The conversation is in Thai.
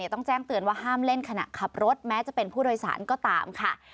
ต้องแจ้งเตือนว่าห้ามเล่นขณะขับรถแม้จะเป็นผู้โดยสารก็ตามค่ะ